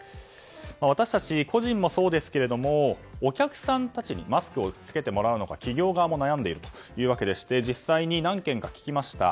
私たち個人もそうですがお客さんたちにマスクを着けてもらうのか企業側も悩んでいるというわけでして実際に何件か聞きました。